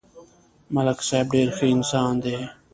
ملک صاحب ډېر ښه انسان دی